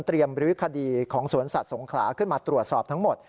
เตรียมบริวิคดีของสวนสัตว์สงคราขึ้นมาตรวจสอบทั้งหมด